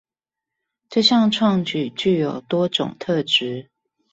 這項創舉具有多種特質